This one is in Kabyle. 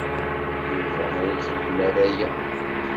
Yuba ur ixeddem ara aya.